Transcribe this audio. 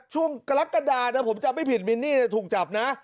กรกฎานะผมจำไม่ผิดมินนี่ถูกจับนะ